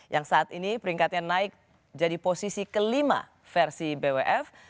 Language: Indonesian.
yang saat ini peringkatnya naik jadi posisi kelima versi bwf